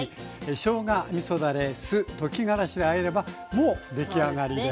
しょうがみそだれ・酢溶きがらしであえればもう出来上がりです。